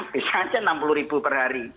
bisa aja enam puluh ribu per hari